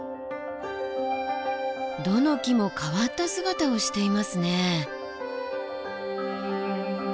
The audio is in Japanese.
どの木も変わった姿をしていますね。